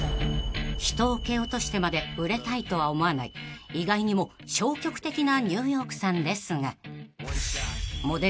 ［人を蹴落としてまで売れたいとは思わない意外にも消極的なニューヨークさんですが］